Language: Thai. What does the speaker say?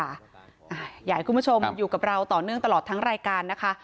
อยากให้คุณผู้ชมอยู่กับเราต่อเนื่องตลอดทั้งรายการนะคะ